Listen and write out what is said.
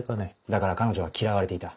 だから彼女は嫌われていた。